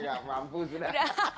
gak mampu sudah